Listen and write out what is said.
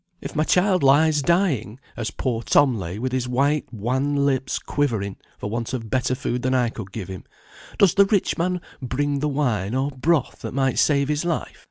If my child lies dying (as poor Tom lay, with his white wan lips quivering, for want of better food than I could give him), does the rich man bring the wine or broth that might save his life?